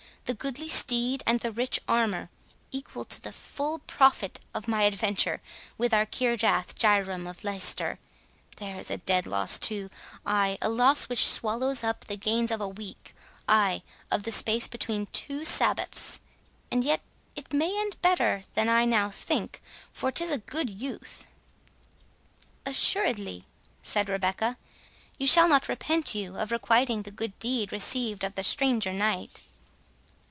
The goodly steed and the rich armour, equal to the full profit of my adventure with our Kirjath Jairam of Leicester—there is a dead loss too—ay, a loss which swallows up the gains of a week; ay, of the space between two Sabbaths—and yet it may end better than I now think, for 'tis a good youth." "Assuredly," said Rebecca, "you shall not repent you of requiting the good deed received of the stranger knight."